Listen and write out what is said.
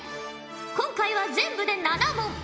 今回は全部で７問。